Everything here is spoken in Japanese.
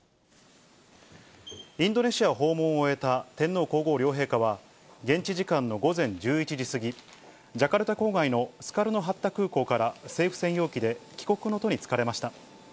インドネシア訪問を終えた天皇皇后両陛下は、現地時間の午前１１時過ぎ、ジャカルタ郊外のスカルノ・ハッタ空港から政府専用機で帰国の途に就かれました。